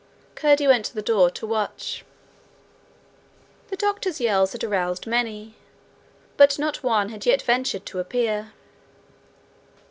Curdie went to the door to watch. The doctor's yells had aroused many, but not one had yet ventured to appear.